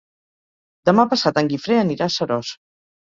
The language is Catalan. Demà passat en Guifré anirà a Seròs.